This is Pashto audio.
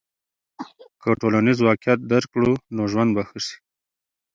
که ټولنیز واقعیت درک کړو نو ژوند به ښه سي.